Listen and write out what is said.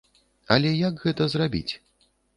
Але як гэта зрабіць?